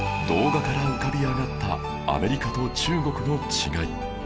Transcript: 動画から浮かび上がったアメリカと中国の違い